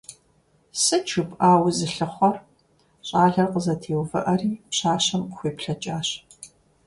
Сыт жыпӀа узылъыхъуэр? – щӀалэр къызэтеувыӀэри, пщащэм къыхуеплъэкӀащ.